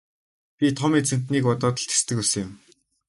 Би Том эзэнтнийг бодоод л тэсдэг байсан юм.